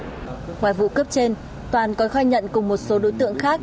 ngoài vụ cướp trên toàn còn khai nhận cùng một số đối tượng khác